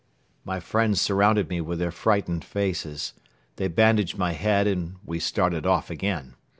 My friends surrounded me with their frightened faces. They bandaged my head and we started off again.